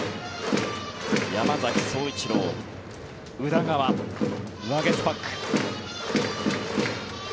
山崎颯一郎、宇田川ワゲスパック。